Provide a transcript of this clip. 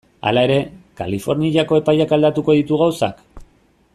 Hala ere, Kaliforniako epaiak aldatuko ditu gauzak?